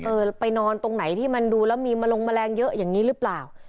เออไปนอนตรงไหนที่มันดูแล้วมีมะลงแมลงเยอะอย่างนี้หรือเปล่า